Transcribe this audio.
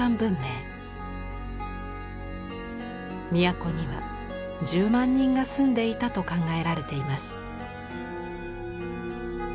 都には１０万人が住んでいたと考えられています。